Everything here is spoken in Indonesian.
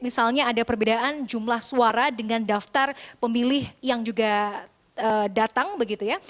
misalnya ada perbedaan jumlah suara dengan daftar pemilih yang juga datang begitu ya